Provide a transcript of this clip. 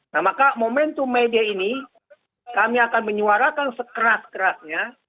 nah maka momentum media ini kami akan menyuarakan sekeras kerasnya